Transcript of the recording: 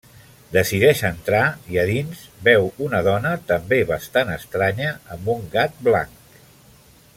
Decideix entrar, i a dins, veu una dona també bastant estranya amb un gat blanc.